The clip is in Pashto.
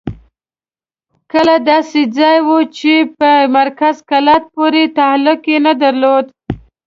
کلی داسې ځای وو چې په مرکز کلات پورې تعلق یې نه درلود.